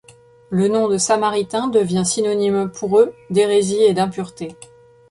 Le nom de Samaritains devient synonyme pour eux d'hérésie et d'impureté.